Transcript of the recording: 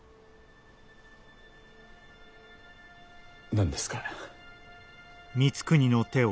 何ですか？